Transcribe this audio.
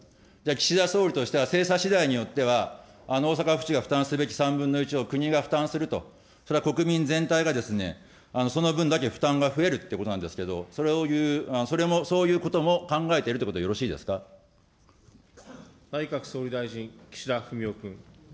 岸田総理としては精査しだいによっては大阪府市が負担するべき３分の１を国が負担すると、それは国民全体がですね、その分だけ負担が増えるっていうことなんですけれども、それ、そういうことも考えているということでよろしい内閣総理大臣、岸田文雄君。